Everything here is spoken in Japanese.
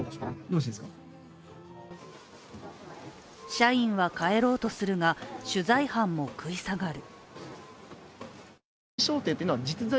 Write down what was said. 社員は帰ろうとするが取材班も食い下がる。